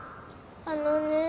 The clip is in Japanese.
あのね。